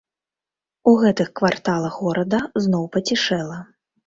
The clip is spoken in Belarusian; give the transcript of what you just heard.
У гэтых кварталах горада зноў пацішэла.